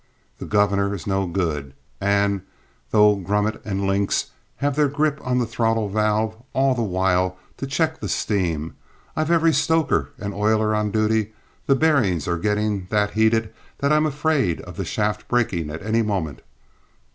The governor is no good; and, though Grummet or Links have their grip on the throttle valve all the while to check the steam, and I've every stoker and oiler on duty, the bearings are getting that heated that I'm afraid of the shaft breaking at any moment.